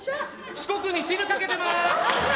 四国に汁、かけてます！